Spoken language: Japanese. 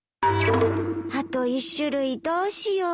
あと１種類どうしよう。